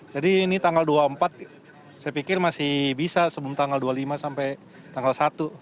jadi ini tanggal dua puluh empat saya pikir masih bisa sebelum tanggal dua puluh lima sampai tanggal satu